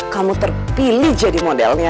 kamu terpilih jadi modelnya